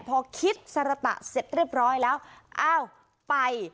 พอคิดสรตะเสร็จเรียบร้อยแล้วอ้าวไป